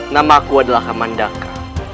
nama aku adalah kamandaka